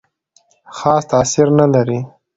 خاص تاثیر نه لري.